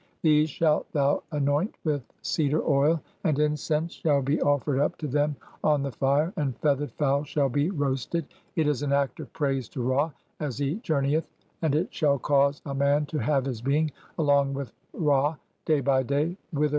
THESE SHALT THOU ANOINT WITH CEDAR OIL, AND (16I INCENSE SHALL HE OFFERED UP TO THEM ON THE FIRE, AND FEATHERED FOWL SHALL HE ROASTED. IT IS AN ACT OF PRAISE TO RA AS HE JOURNEYETH, AND IT SHALL CAUSE A MAN TO HAVE HIS BEING (17) ALONG WITH RA DAY BY DAY, WHITHER SOEVER THE GOD VOYAGF.